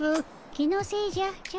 気のせいじゃちゃ